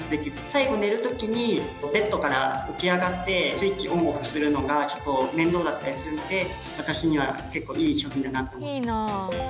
最後、寝る時にベッドから起き上がってスイッチオン・オフするのがちょっと面倒だったりするので私には結構いい商品だなと思います。